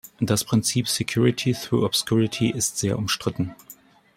Das Prinzip "security through obscurity" ist sehr umstritten.